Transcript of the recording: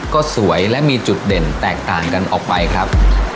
ก็สวยและมีจุดเด่นแตกต่างกันออกไปครับ